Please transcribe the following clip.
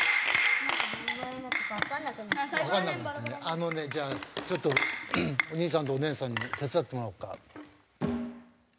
あのねじゃあちょっとおにいさんとおねえさんに手伝ってもらおうか。